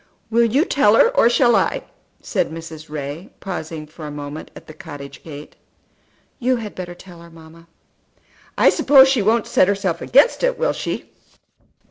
"Will you tell her or shall I?" said Mrs. Ray, pausing for a moment at the cottage gate. "You had better tell her, mamma." "I suppose she won't set herself against it; will she?"